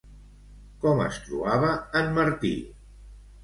Com es trobava en Martí?